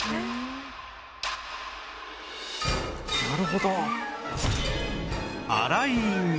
なるほど！